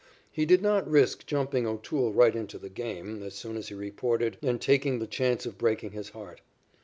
He did not risk jumping O'Toole right into the game as soon as he reported and taking the chance of breaking his heart.